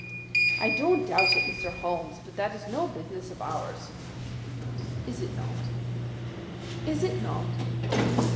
"I don't doubt it, Mr. Holmes; but that is no business of ours." "Is it not? Is it not?